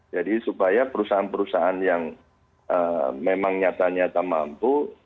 jadi supaya perusahaan perusahaan yang memang nyata nyata mampu